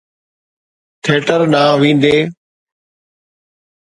Theatre ڏانهن ويندي.